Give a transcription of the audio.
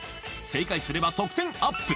正解すれば得点アップ！